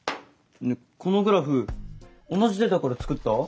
このグラフ同じデータから作った？